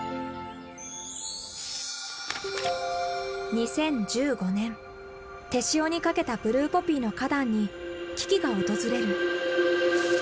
２０１５年手塩にかけたブルーポピーの花壇に危機が訪れる。